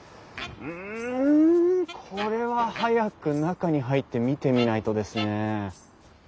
うんこれは早く中に入って見てみないとですね。